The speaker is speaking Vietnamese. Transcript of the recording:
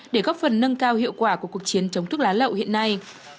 để góp phần nâng cao hiệu quả của cuộc chiến chống thuốc lá lậu hiện nay